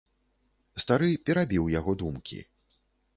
Стары перабіў яго думкі.